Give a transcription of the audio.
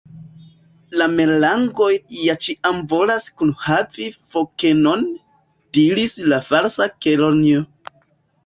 "La Merlangoj ja ĉiam volas kunhavi fokenon," diris la Falsa Kelonio.